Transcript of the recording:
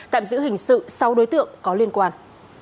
tạm giữ hình sự sáu đối tượng có liên quan